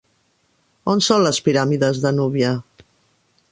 On són les piràmides de Núbia?